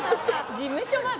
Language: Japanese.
事務所まで。